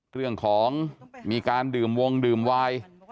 เรื่องของการดื่มวงดื่มวาย